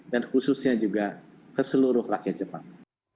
dan khususnya juga ke seluruh rakyat jepang